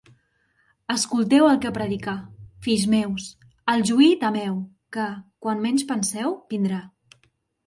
Escolteu el que predicà: Fills meus, al juí temeu, que, quan menys penseu, vindrà.